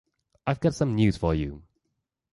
I’ve got some news for you.